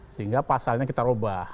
sehingga pasalnya kita ubah